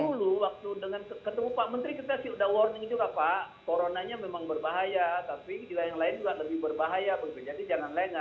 dulu waktu dengan ketemu pak menteri kita sudah warning juga pak coronanya memang berbahaya tapi di lain juga lebih berbahaya begitu jadi jangan lengah